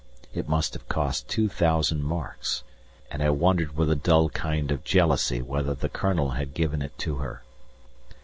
It must have cost two thousand marks, and I wondered with a dull kind of jealousy whether the Colonel had given it to her.